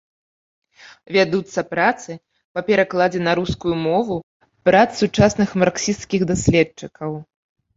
Вядуцца працы па перакладзе на рускую мову прац сучасных марксісцкіх даследчыкаў.